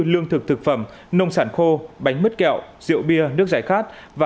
lương thực thực phẩm nông sản khô bánh mứt kẹo rượu bia nước giải khát và